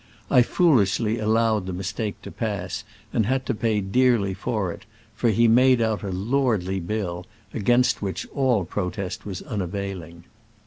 I foolishly allowed the mistake to pass, and had to pay dearly for it, for he made out a lordly bill, against which all protest was unavailing.